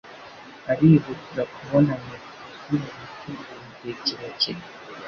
Arihutira kubona nyina. Yakomeje gutegereza igihe kirekire.